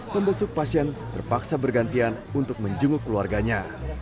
pembesuk pasien terpaksa bergantian untuk menjenguk keluarganya